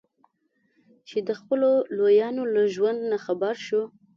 چې د خپلو لویانو له ژوند نه خبر شو.